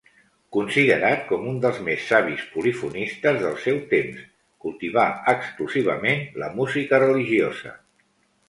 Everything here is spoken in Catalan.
Considerat com un dels més savis polifonistes del seu temps, cultivà exclusivament la música religiosa.